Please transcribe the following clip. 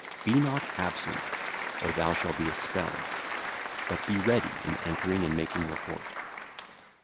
Be not absent, or thou shall be expelled; but be ready in entering and making report.